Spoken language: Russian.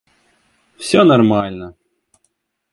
Всё нормально